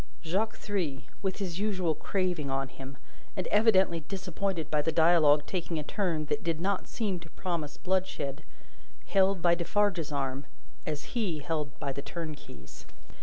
Jacques Three, with his usual craving on him, and evidently disappointed by the dialogue taking a turn that did not seem to promise bloodshed, held by Defarge's arm as he held by the turnkey's.